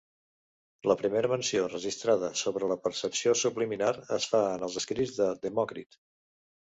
La primera menció registrada sobre la percepció subliminar es fa en els escrits de Demòcrit.